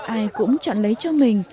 ai cũng chọn lấy cho mình